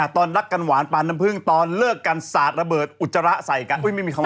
ตอนรักกันหวานปานน้ำผึ้งตอนเลิกกันสาดระเบิดอุจจาระใส่กัน